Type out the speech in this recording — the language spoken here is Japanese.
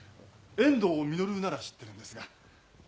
遠藤実なら知ってるんですが。